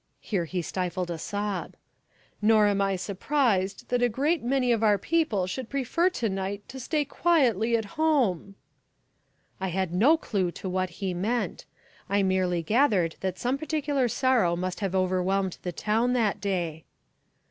Here he stifled a sob. "Nor am I surprised that a great many of our people should prefer to night to stay quietly at home " I had no clue to what he meant. I merely gathered that some particular sorrow must have overwhelmed the town that day.